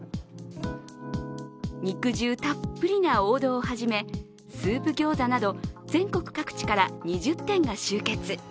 肉汁たっぷりな王道をはじめスープギョーザなど全国各地から２０店が集結。